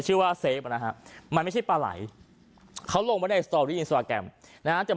ชื่อว่าเซฟอ่ะนะฮะมันไม่ใช่ปลาไหลเขาลงไปใน